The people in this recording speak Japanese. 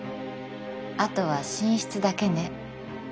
あとは寝室だけね。